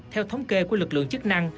theo thống kê của lực lượng chức năng